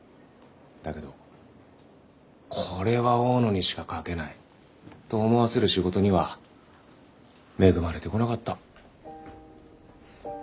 だけど「これは大野にしか書けない」と思わせる仕事には恵まれてこなかった。